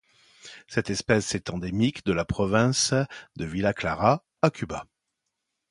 Cette espèce est endémique de la province de Villa Clara à Cuba.